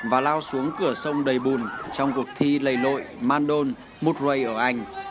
và lao xuống cửa sông đầy bùn trong cuộc thi lầy lội mandol moutray ở anh